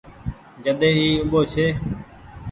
جڏي اي اوٻو ڇي۔